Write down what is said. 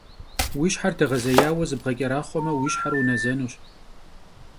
Vui şher değezêyaue zıbğeç'eraxhueme vui şher vunezenuş.